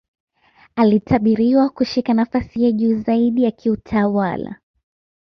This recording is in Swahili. alitabiriwa kushika nafasi ya juu zaidi ya kiutawala